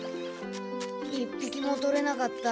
１ぴきもとれなかった。